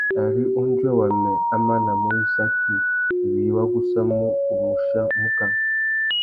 Ari undjuê wamê a manamú wissaki, wiï wa gussamú, u mù chia muká.